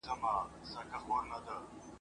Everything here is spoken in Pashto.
او سمدستي مي څو عکسونه واخیستل !.